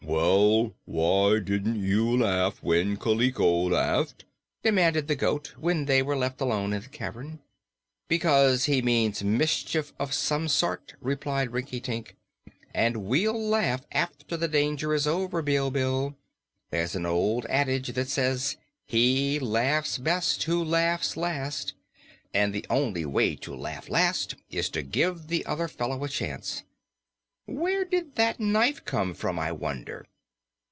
"Well, why didn't you laugh when Kaliko laughed?" demanded the goat, when they were left alone in the cavern. "Because he means mischief of some sort," replied Rinkitink, "and we'll laugh after the danger is over, Bilbil. There's an old adage that says: 'He laughs best who laughs last,' and the only way to laugh last is to give the other fellow a chance. Where did that knife come from, I wonder."